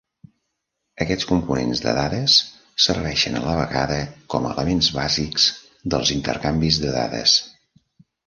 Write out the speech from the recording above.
Aquests components de dades serveixen, a la vegada, com a "elements bàsics" dels intercanvis de dades.